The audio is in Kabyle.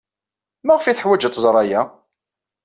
Maɣef ay teḥwaj ad tẓer aya?